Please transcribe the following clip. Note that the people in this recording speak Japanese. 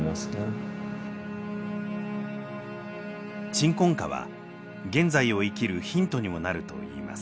「鎮魂歌」は現在を生きるヒントにもなるといいます。